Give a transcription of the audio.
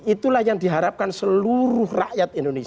itulah yang diharapkan seluruh rakyat indonesia